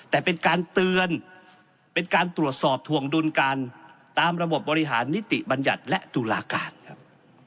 แต่เป็นการเตือนเป็นการตรวจสอบถวงดุลกันตามระบบบบริหารนิติบัญญัติและตุลาการครับ